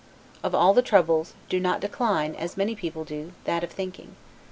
Of all the troubles, do not decline, as many people do, that of thinking.